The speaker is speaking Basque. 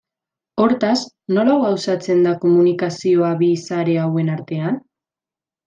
Hortaz, nola gauzatzen da komunikazioa bi sare hauen artean?